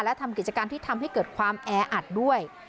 และทำกิจการที่ทำให้เกิดความแออัดด้วย